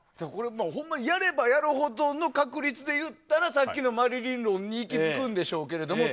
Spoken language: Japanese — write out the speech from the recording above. ほんまやればやるほどの確率でいったらさっきのマリリン論に行きつくんでしょうけど。